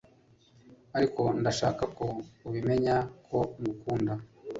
Ariko ndashaka ko ubimenya ko ngukunda